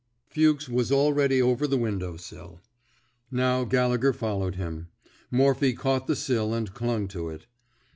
Fuchs was already over the window sill. Now Gallegher followed him. Morphy caught the sill and clung to it.